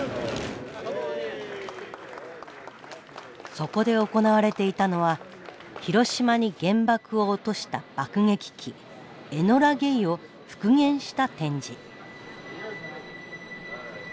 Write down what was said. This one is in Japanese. そこで行われていたのは広島に原爆を落とした爆撃機エノラ・ゲイを復元した展示。